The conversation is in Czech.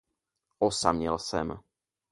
Osaměl jsem.